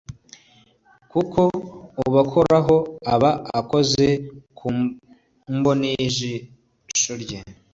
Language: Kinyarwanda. kuko ubakoraho aba akoze ku mboni y ijisho rye